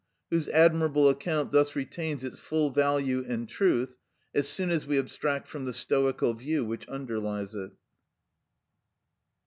104), whose admirable account thus retains its full value and truth, as soon as we abstract from the stoical view which underlies it.